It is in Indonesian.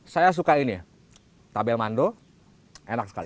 saya suka ini ya tabel mando enak sekali